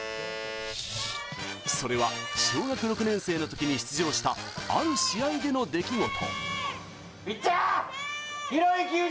それは小学６年生のときに出場したある試合での出来事。